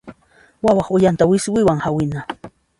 Wawaq uyanta wiswiwan hawina.